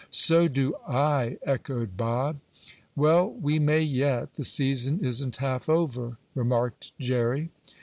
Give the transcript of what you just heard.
"So do I," echoed Bob. "Well, we may yet. The season isn't half over," remarked Jerry.